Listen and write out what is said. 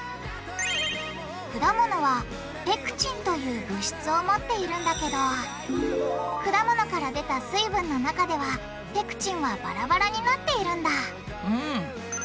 果物はペクチンという物質を持っているんだけど果物から出た水分の中ではペクチンはバラバラになっているんだ